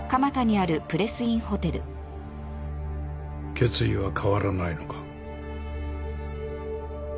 決意は変わらないのか？